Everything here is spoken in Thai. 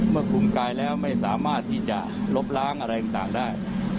คุมกายแล้วไม่สามารถที่จะลบล้างอะไรต่างได้